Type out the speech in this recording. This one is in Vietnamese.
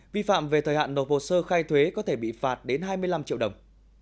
vi phạm về thời hạn nộp hồ sơ khai thuế có thể bị phạt đến hai mươi năm triệu đồng